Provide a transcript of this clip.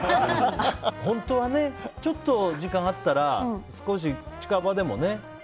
本当はちょっと時間があったら近場でもね。